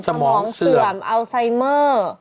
สมองเสื่อมอัลไซเมอร์